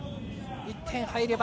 １点入れば。